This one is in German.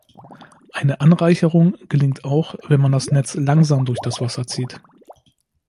Eine Anreicherung gelingt auch, wenn man das Netz "langsam" durch das Wasser zieht.